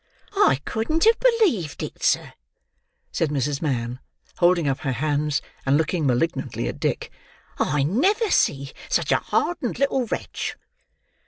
"I couldn't have believed it, sir" said Mrs Mann, holding up her hands, and looking malignantly at Dick. "I never see such a hardened little wretch!"